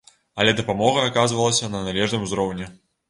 Але дапамога аказвалася на належным узроўні.